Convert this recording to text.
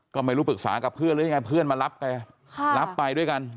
ก็ไม่รู้ปรึกษากับเพื่อนหรือยังไงเพื่อนมารับแกรับไปด้วยกัน